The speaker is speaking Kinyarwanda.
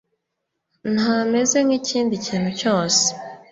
ntameze nkikindi kintu cyose